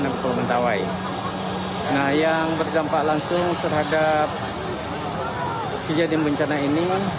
dan kepulauan mentawai nah yang berdampak langsung terhadap kejadian bencana ini